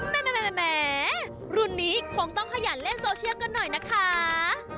รุ่นนี้คงต้องขยันเล่นโซเชียลกันหน่อยนะคะ